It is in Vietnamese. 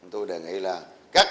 tôi đề nghị là các